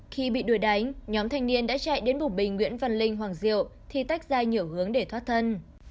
khi bị đuổi đánh nhóm thanh niên đã chạy đến bục bình nguyễn văn linh hoàng diệu thì tách ra nhiều hướng để thoát thân